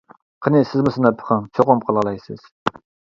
قېنى سىزمۇ سىناپ بېقىڭ، چوقۇم قىلالايسىز.